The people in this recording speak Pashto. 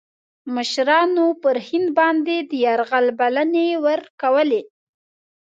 مشـرانو پر هند باندي د یرغل بلني ورکولې.